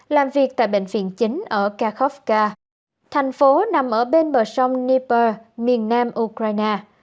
làm việc tại bệnh viện chính ở kharkovka thành phố nằm ở bên bờ sông dnipro miền nam ukraine